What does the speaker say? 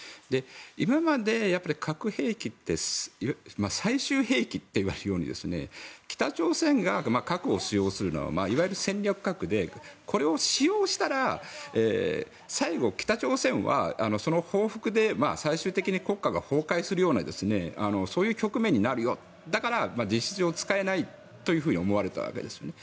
今まで核兵器って最終兵器といわれるように北朝鮮が核を使用するのはいわゆる戦略核でこれを使用したら最後、北朝鮮はその報復で最終的に国家が崩壊するようなそういう局面になるよだから実質使えないと思われたわけですよね。